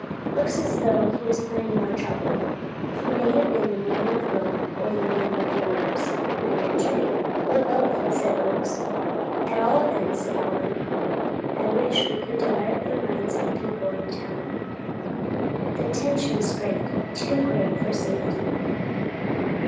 "Looks as though he was planning more trouble. He may have been the man of the robe, or the man with the arms," I ventured. "Or both," said Oakes. "At all events," said Hallen, "I wish that we could divert the minds of the people in town; the tension is great too great for safety."